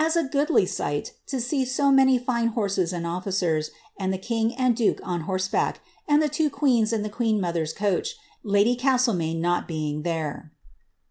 • a goodly sight, to see so many fine horses and oflicers, and the king < and duke on horseback, and the two queens in the qtieen mo therms coach| my lady Gastlemaine not being there.''